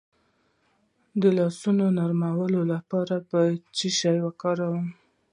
د لاسونو نرمولو لپاره باید څه شی وکاروم؟